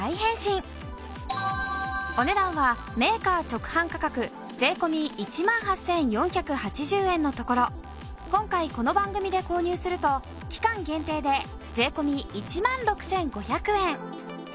お値段はメーカー直販価格税込１万８４８０円のところ今回この番組で購入すると期間限定で税込１万６５００円。